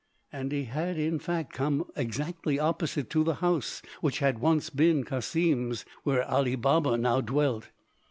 And he had in fact come exactly opposite to the house which had once been Cassim's, where Ali Baba now dwelt.